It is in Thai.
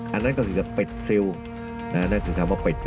อันนั้นก็คือปิดยูธนะน่ะนั่นคือคำว่าปิดน่ะ